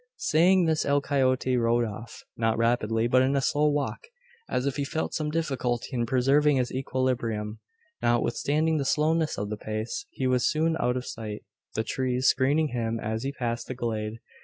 Saying this El Coyote rode off, not rapidly, but in a slow walk, as if he felt some difficulty in preserving his equilibrium. Notwithstanding the slowness of the pace he was soon out of sight, the trees screening him as he passed the glade.